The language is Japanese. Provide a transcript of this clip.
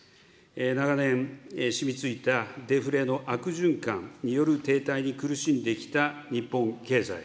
長年しみついたデフレの悪循環による停滞に苦しんできた日本経済。